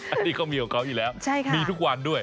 อันนี้เขามีของเขาอยู่แล้วมีทุกวันด้วย